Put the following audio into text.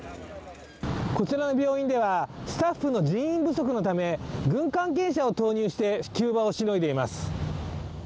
こちらの病院ではスタッフの人員不足のため軍関係者を投入して急場をしのいでいます。